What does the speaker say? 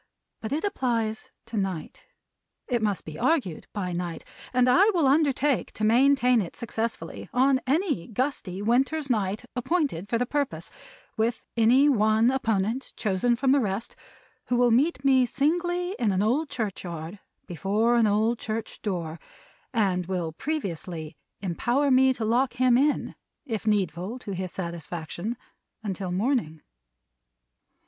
But it applies to Night. It must be argued by night. And I will undertake to maintain it successfully on any gusty winter's night appointed for the purpose, with any one opponent chosen from the rest, who will meet me singly in an old churchyard, before an old church door; and will previously empower me to lock him in, if needful to his satisfaction, until morning.